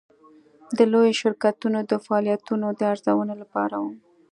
د لویو شرکتونو د فعالیتونو د ارزونې لپاره وه.